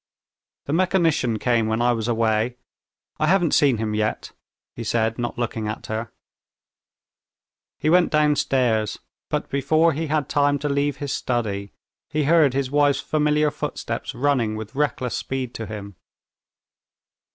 "The mechanician came when I was away; I haven't seen him yet," he said, not looking at her. He went downstairs, but before he had time to leave his study he heard his wife's familiar footsteps running with reckless speed to him.